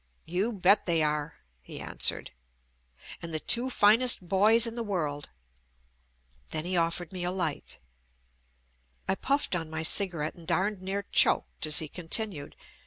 "You bet they are," he answered. "And the two finest boys in the world." Then he offered me a light. I puffed on my cigarette and darned near choked, as he continued.